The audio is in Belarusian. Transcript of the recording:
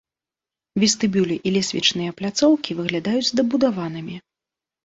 Вестыбюлі і лесвічныя пляцоўкі выглядаюць дабудаванымі.